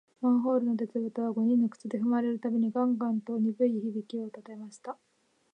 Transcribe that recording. マンホールの鉄ぶたは、五人の靴でふまれるたびに、ガンガンとにぶい響きをたてました。おまわりさんたちは、そうして、二十面相の頭の上を通りながら、